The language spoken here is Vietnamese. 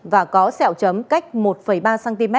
và có sẹo chấm cách một ba cm